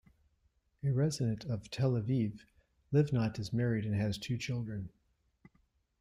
A resident of Tel Aviv, Livnat is married and has two children.